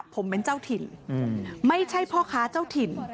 ผมเป็นเจ้าถิ่นไม่ใช่พ่อค้าเจ้าถิ่น